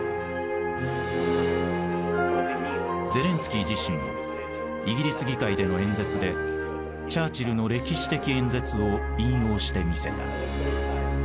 ゼレンスキー自身もイギリス議会での演説でチャーチルの歴史的演説を引用してみせた。